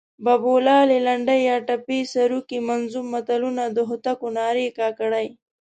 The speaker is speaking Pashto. بابولالې، لنډۍ یا ټپې، سروکي، منظوم متلونه، د هوتکو نارې، کاکړۍ